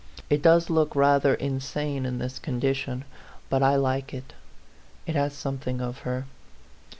It does look rather in sane in this condition, but I like it ; it has something of her.